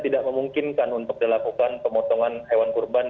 tidak memungkinkan untuk dilakukan pemotongan hewan kurban